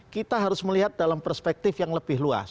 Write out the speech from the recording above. kita harus melihat dalam perspektif yang lebih luas